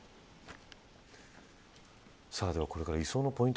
では、これから移送のポイント。